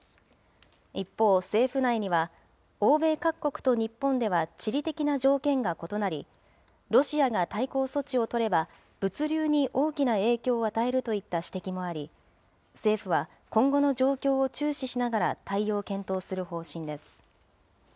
一方、政府内には欧米各国と日本では地理的な条件が異なり、ロシアが対抗措置を取れば、物流に大きな影響を与えるといった指摘もあり、政府は今後の状況を注視しながら対応を検討する方針です。